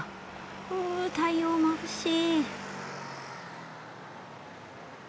う太陽まぶしい。